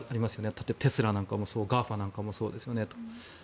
例えばテスラなんかもそうＧＡＦＡなんかもそうですよね。